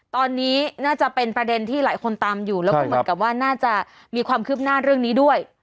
ตอนนี้น่าจะเป็นประเด็นที่หลายคนตามอยู่แล้วก็เหมือนกับว่าน่าจะมีความคืบหน้าเรื่องนี้ด้วย